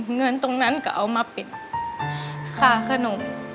เงินตรงนั้นก็เอามาปิดค่าขนม